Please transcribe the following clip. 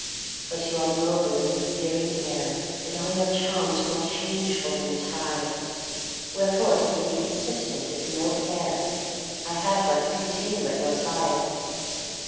But you are mobile as the veering air, And all your charms more changeful than the tide, Wherefore to be inconstant is no care: I have but to continue at your side.